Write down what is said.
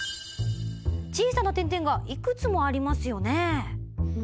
小さな点々がいくつもありますよね。